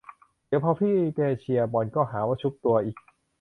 เดี๋ยวพอพี่แกเชียร์บอลก็หาว่าชุบตัวอีก